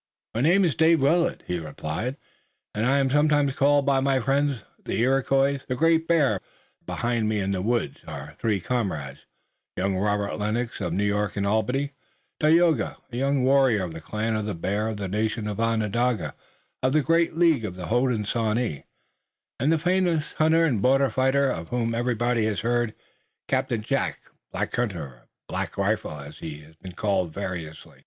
"My name is David Willet," he replied, "and I am sometimes called by my friends, the Iroquois, the Great Bear. Behind me in the woods are three comrades, young Robert Lennox, of New York and Albany; Tayoga, a young warrior of the clan of the Bear, of the nation Onondaga, of the great League of the Hodenosaunee, and the famous hunter and border fighter, of whom everybody has heard, Captain Jack, Black Hunter, or Black Rifle as he has been called variously."